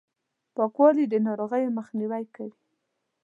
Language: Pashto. پاکوالي، د ناروغیو مخنیوی کوي!